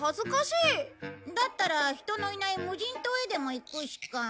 だったら人のいない無人島へでも行くしか。